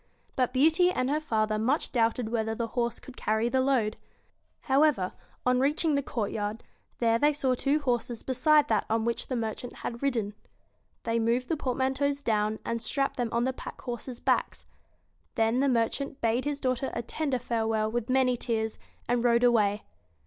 But Beauty and her father much doubted whether the horse could carry the load. However, on reaching the courtyard, there they saw two horses beside that on which the merchant had ridden. They moved the portmanteaus down, and strapped them on the pack horses' backs. Then the mer chant bade his daughter a tender farewell with many tears, and rode away.